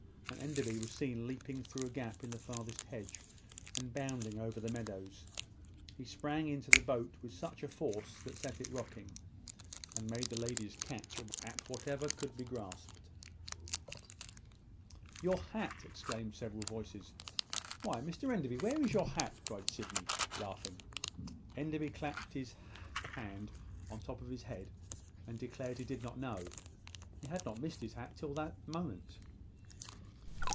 and Enderby was seen leaping through a gap in the farthest hedge, and bounding over the meadow. He sprang into the boat with a force which set it rocking, and made the ladies catch at whatever could be grasped. "Your hat!" exclaimed several voices. "Why, Mr Enderby, where is your hat?" cried Sydney, laughing. Enderby clapped his hand on the top of his head, and declared he did not know. He had not missed his hat till this moment.